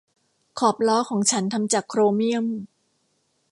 ขอบล้อของฉันทำจากโครเมี่ยม